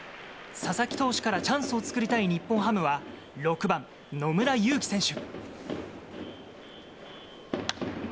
佐々木投手からチャンスを作りたい日本ハムは、６番野村ゆうき選手。